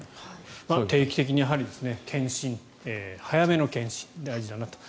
定期的に検診早めの検診が大事だなと。